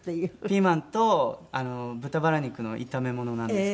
ピーマンと豚バラ肉の炒め物なんですけど。